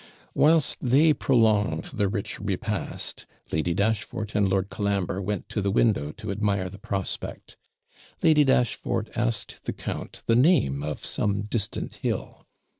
Whilst 'they prolonged the rich repast,' Lady Dashfort and Lord Colambre went to the window to admire the prospect; Lady Dashfort asked the count the name of some distant hill.